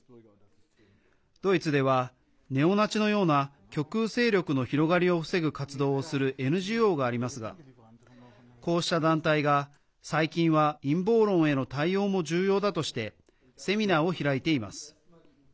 ドイツではネオナチのような極右勢力の広がりを防ぐ活動をするＮＧＯがありますがこうした団体が、最近は陰謀論への対応も重要だとしてセミナーを開いています。